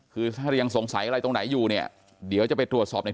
คือถ้ายังสงสัยอะไรตรงไหนอยู่เนี่ยเดี๋ยวจะไปตรวจสอบใน